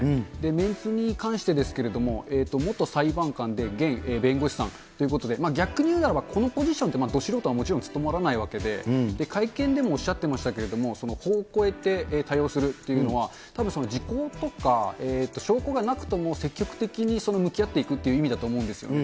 メンツに関してですけど、元裁判官で現弁護士さんということで、ということで、逆に言うならばど素人はもちろん務まらないわけで、会見でもおっしゃってましたけれども、法を超えて対応するっていうのは、たぶん時効とか証拠がなくとも積極的に向き合っていくという意味だと思うんですよね、